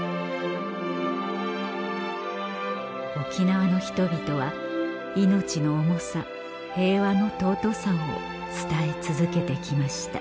沖縄の人々は命の重さ平和の尊さを伝え続けて来ました